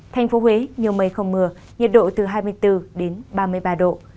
thành phố huế nhiều mây không mưa nhiệt độ từ hai mươi bốn ba mươi ba độ